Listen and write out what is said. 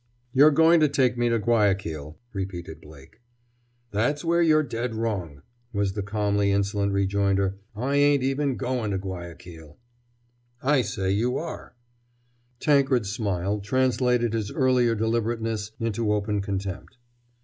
"You're going to take me to Guayaquil," repeated Blake. "That's where you're dead wrong," was the calmly insolent rejoinder. "I ain't even goin' to Guayaquil." "I say you are." Tankred's smile translated his earlier deliberateness into open contempt.